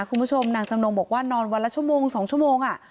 คุณผู้ชมนางจำนงบอกว่านอนวันละชั่วโมง๒ชั่วโมง